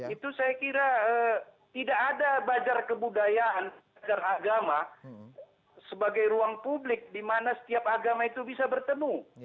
itu saya kira tidak ada bajar kebudayaan belajar agama sebagai ruang publik di mana setiap agama itu bisa bertemu